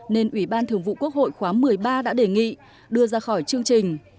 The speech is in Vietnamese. nên ủy ban thường vụ quốc hội khóa một mươi ba đã đề nghị đưa ra khỏi chương trình